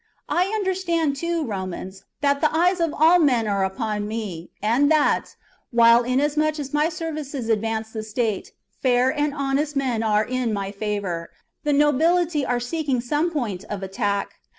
I understand, too, Romans, that the eyes of all men are upon me, and that, while, inasmuch as my services advance the state, fair and honest men are in my favour, the nobility are seeking some point of attack.